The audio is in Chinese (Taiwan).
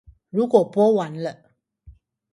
如果播完了